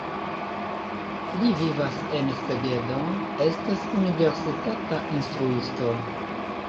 Li vivas en Segedo, estas universitata instruisto.